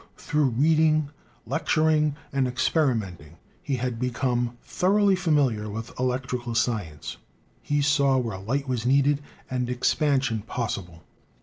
Through reading, lectur ing and experimenting, he had become thoroly familiar with electrical science; he saw where light was needed and expansion possible.